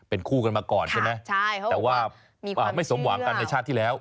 เป็นคู่กันมาก่อนใช่ไหมแต่ว่าไม่สมหวังกันในชาติที่แล้ว